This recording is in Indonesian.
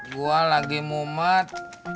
gua lagi mumet